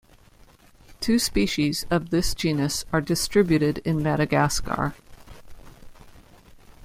Two species of this genus are distributed in Madagascar.